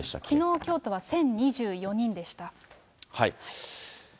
きのう、京都は１０２４人でした。